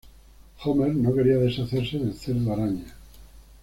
Homer no quería deshacerse del cerdo araña.